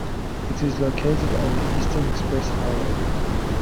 It is located on the Eastern Express Highway.